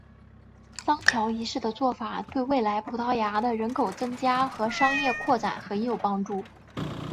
桑乔一世的做法对未来葡萄牙的人口增加和商业扩展很有帮助。